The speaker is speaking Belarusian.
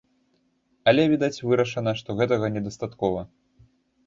Але, відаць, вырашана, што гэтага недастаткова.